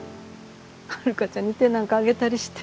遥ちゃんに手なんか上げたりして。